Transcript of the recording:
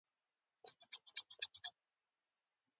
وردګ یو پوه او زیارکښ قوم دی چې هېواد ته خدمت کوي